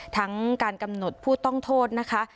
ทั้งการกำหนดผู้ต้องโทษนะคะ